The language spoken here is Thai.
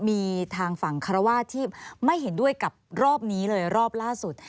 มีทางฝั่งคารวาสที่ไม่เห็นด้วยกับรอบนี้เลยรอบล่าสุด